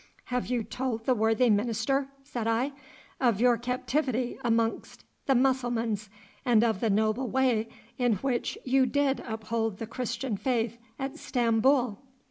'Have you told the worthy minister,' said I, 'of your captivity amongst the Mussulmans, and of the noble way in which you did uphold the Christian faith at Stamboul?